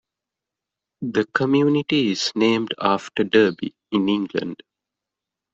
The community is named after Derby, in England.